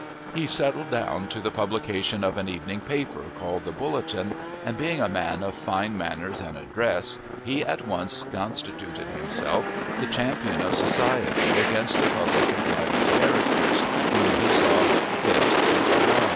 He settled down to the publication of an evening paper, called the Bulletin, and, being a man of fine manners and address, he at once constituted himself the champion of society against the public and private characters whom he saw fit to arraign.